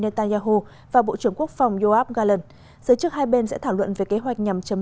netanyahu và bộ trưởng quốc phòng yoav galan giới chức hai bên sẽ thảo luận về kế hoạch nhằm chấm